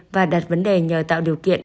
và đặt vấn đề nhờ tạo điều kiện